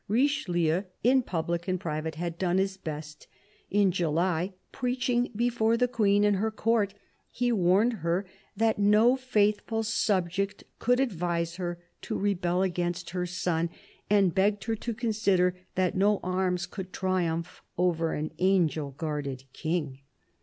Richelieu, in public and private, had done his best; in July, preaching before the Queen and her Court, he warned her that no faithful subject could advise her to rebel against her son, and begged her to consider that no arms could triumph over an angel guarded King.